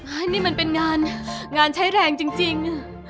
อ้าวนี่มันเป็นงานงานใช้แรงจริงจริง